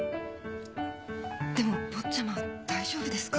でも坊ちゃま大丈夫ですか？